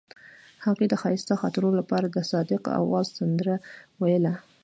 هغې د ښایسته خاطرو لپاره د صادق اواز سندره ویله.